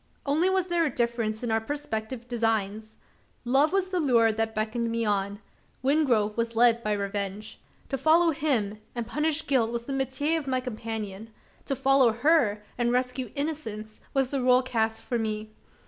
Only was there a difference in our prospective designs. Love was the lure that beckoned me on; Wingrove was led by revenge. To follow him, and punish guilt, was the metier of my companion; to follow her, and rescue innocence, was the role cast for me.